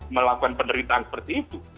melakukan penderitaan seperti itu